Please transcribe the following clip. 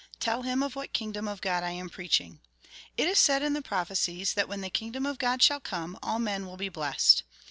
Tell him of what kingdom of God I am preaching. It is said in the prophecies that, when the kingdom of God shall come, all men will be blessed.